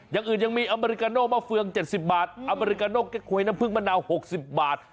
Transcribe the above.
อย่างอื่นยังมีอเมริกาโนมะเฟือง๗๐บาทอเมริกาโนแก๊คหวยน้ำผึ้งมะนาว๖๐บาท